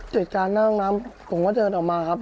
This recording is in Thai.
จดการณ์นั่งหน้ามผมก็เดินออกมาครับ